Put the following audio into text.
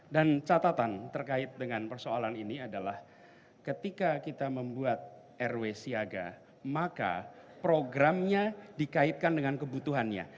dan catatan terkait dengan persoalan ini adalah ketika kita membuat rw siaga maka programnya dikaitkan dengan kebutuhannya